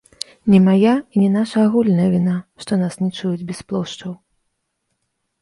Не мая і не наша агульная віна, што нас не чуюць без плошчаў.